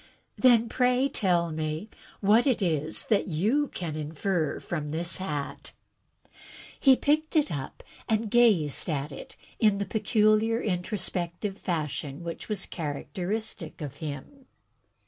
"Then, pray tell me what it is that you can infer from this hat?" He picked it up and gazed at it in the peculiar introspective fashion which was characteristic of him.